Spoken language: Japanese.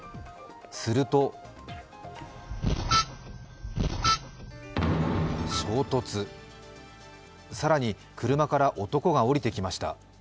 すると衝突、更に車から男が降りてきました。